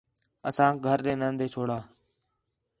اسانک گھر ݙے ناندے چھوڑا